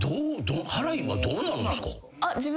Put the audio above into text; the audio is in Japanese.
払いはどうなるんですか？